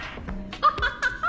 ハハハハ！